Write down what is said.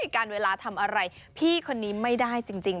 การเวลาทำอะไรพี่คนนี้ไม่ได้จริง